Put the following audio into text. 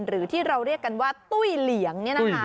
หรือที่เราเรียกกันว่าตุ้ยเหลียง